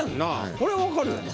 これは分かるよな。